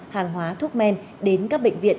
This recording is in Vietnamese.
hàng hóa thuốc men đến các bệnh viện